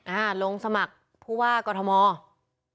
อ่าลงสมัครผู้ว่ากฐมอธ์